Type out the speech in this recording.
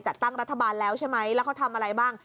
ตั้งรัฐบาลแล้วใช่ไหมแล้วเขาทำอะไรบ้าง